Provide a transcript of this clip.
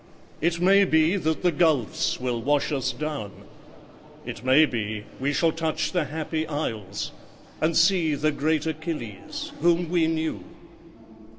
It may be that the gulfs will wash us down: It may be we shall touch the Happy Isles, And see the great Achilles, whom we knew.